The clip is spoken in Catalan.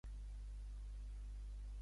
Quina obligació tenia cada individu metec?